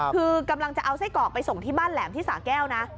คือกำลังจะเอาไส้กรอกไปส่งที่บ้านแหลมที่สาแก้วนะ